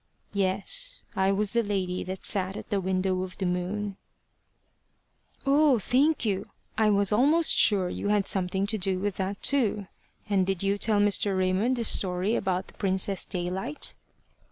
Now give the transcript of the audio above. "Yes. I was the lady that sat at the window of the moon." "Oh, thank you. I was almost sure you had something to do with that too. And did you tell Mr. Raymond the story about the Princess Daylight?"